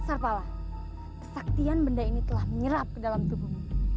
kesaktian benda ini telah menyerap ke dalam tubuhmu